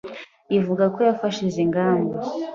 ivuga ko yafashe izi ngamba